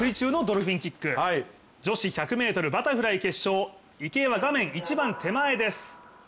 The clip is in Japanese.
女子１００ｍバタフライ決勝池江は画面一番手前です。